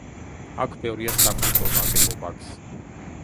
აქ ბევრია საკულტო ნაგებობაც.